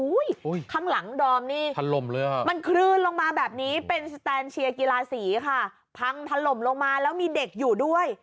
ข้างหลังดอมนี่มันคลื่นลงมาแบบนี้เป็นสแตนเชียร์กีฬาสีค่ะพังถล่มลงมาแล้วมีเด็กอยู่ด้วย